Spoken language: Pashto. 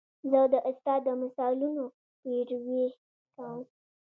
زه د استاد د مثالونو پیروي کوم.